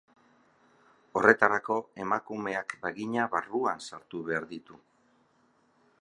Horretarako, emakumeak bagina barruan sartu behar ditu.